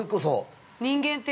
人間って。